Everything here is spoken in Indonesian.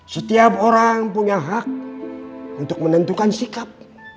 setiap orang punya hak untuk menentukan sikap